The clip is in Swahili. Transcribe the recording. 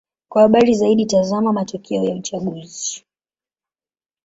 Kwa habari zaidi: tazama matokeo ya uchaguzi.